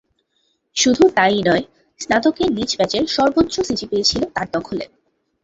শুধু তা-ই নয়, স্নাতকে নিজ ব্যাচের সর্বোচ্চ সিজিপিএ ছিল তাঁর দখলে।